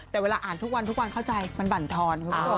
แต่เวลาอ่านทุกวันทุกวันเข้าใจมันบั่นทอน